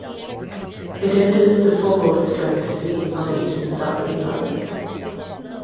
It enters the Foveaux Strait sea on the eastern side of the island.